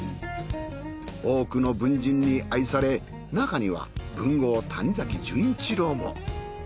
多くの文人に愛されなかには文豪谷崎潤一郎も。